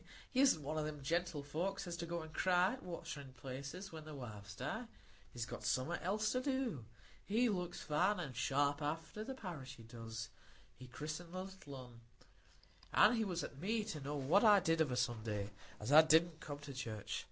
He isn't one o' them gentlefolks as go to cry at waterin' places when their wives die; he's got summat else to do. He looks fine and sharp after the parish, he does. He christened the little un; an' he was at me to know what I did of a Sunday, as I didn't come to church.